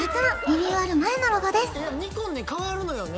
ニコンって変わるのよね